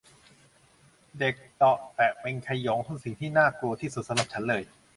เด็กเตาะแตะเป็นขโยงคือสิ่งที่น่ากลัวที่สุดสำหรับฉันเลย